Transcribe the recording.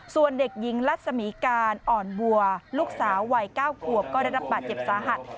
ส่วนเด็กหญิงลัศมีการอ่อนบัวลูกสาววัย๙ขวบก็ได้รับบาดเจ็บสาหัส